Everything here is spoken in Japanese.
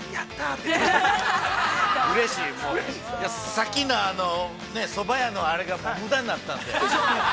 ◆さっきの、そば屋のあれが、無駄になったんで。